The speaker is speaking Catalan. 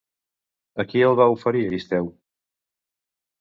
A qui el va oferir Euristeu?